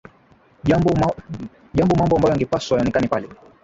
jambo mambo ambayo yangepaswa yaonekane pale